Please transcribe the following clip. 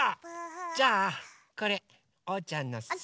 じゃあこれおうちゃんのさお。